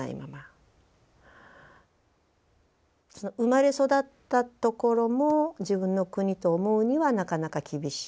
生まれ育ったところも自分の国と思うにはなかなか厳しい。